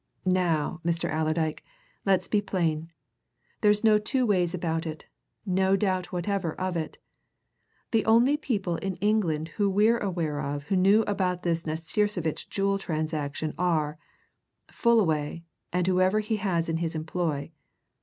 Now, Mr. Allerdyke, let's be plain there's no two ways about it, no doubt whatever of it, the only people in England that we're aware of who knew about this Nastirsevitch jewel transaction are Fullaway and whoever he has in his employ!